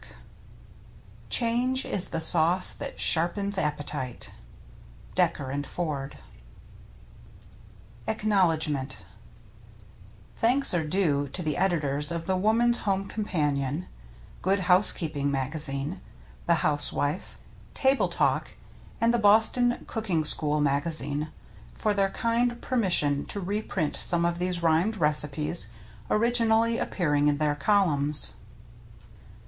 SIMONDS & CO., BOSTON, U. S. A. ^<^^. A ECI.A311IG12 w ^ ACKNOWLEDGMENT Thanks are due to the editors of the Woman's Home Companion, Good Housekeeping Maga zine, the Housewife, Table Talk, and the Bos ton Cooking School Magazine for their kind permission to reprint some of these Rhymed Receipts originally appearing in their columns.